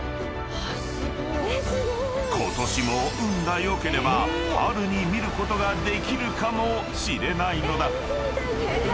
［ことしも運が良ければ春に見ることができるかもしれないのだ］